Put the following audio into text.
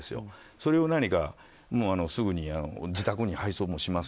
それをすぐに自宅に配送します